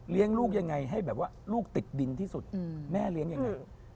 ลูกยังไงให้แบบว่าลูกติดดินที่สุดแม่เลี้ยงยังไง